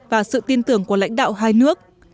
và sự tin tưởng của lãnh đạo hai nước